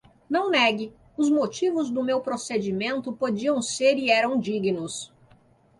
Não negue; os motivos do meu procedimento podiam ser e eram dignos;